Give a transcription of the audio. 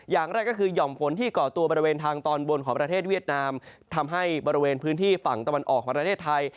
อย่างแรกก็คือห่อมฝนที่ก่อตัวบริเวณทางตอนบนของประเทศเวียดนามทำให้บริเวณพื้นที่ฝั่งตะวันออกของประเทศไทย